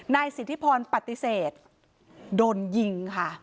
นายสิทธิพรปฏิเสธโดนยิงค่ะ